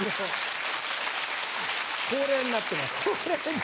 恒例になってます。